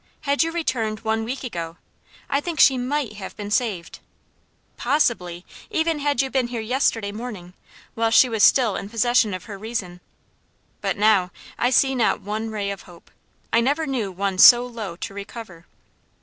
Had you returned one week ago, I think she might have been saved; possibly, even had you been here yesterday morning, while she was still in possession of her reason; but now, I see not one ray of hope. I never knew one so low to recover."